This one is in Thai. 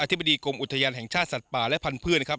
ธิบดีกรมอุทยานแห่งชาติสัตว์ป่าและพันธุ์นะครับ